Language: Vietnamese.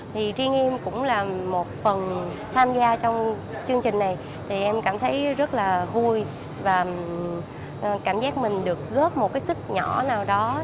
thì riêng em cũng là một phần tham gia trong chương trình này thì em cảm thấy rất là vui và cảm giác mình được góp một cái sức nhỏ nào đó